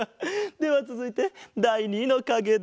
ではつづいてだい２のかげだ。